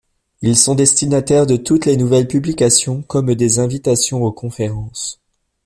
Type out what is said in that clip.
Ils sont destinataires de toutes les nouvelles publications comme des invitations aux conférences.